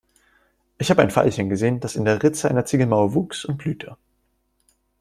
Ich hab ein Veilchen gesehen, das in der Ritze einer Ziegelmauer wuchs und blühte.